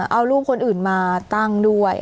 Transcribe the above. เอารูปคนอื่นมาตั้งด้วย